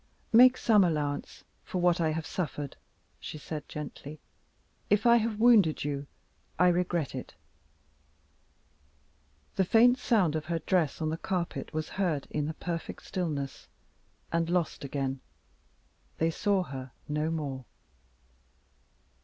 "Make some allowance for what I have suffered," she said gently. "If I have wounded you, I regret it." The faint sound of her dress on the carpet was heard in the perfect stillness, and lost again. They saw her no more.